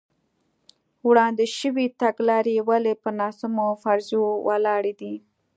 وړاندې شوې تګلارې ولې پر ناسمو فرضیو ولاړې دي.